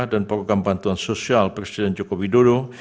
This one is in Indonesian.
dan program bantuan sosial presiden joko widodo